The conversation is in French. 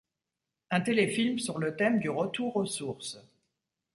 Un téléfilm sur le thème du retour aux sources.